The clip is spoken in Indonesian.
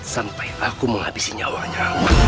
sampai aku menghabisi nyawanya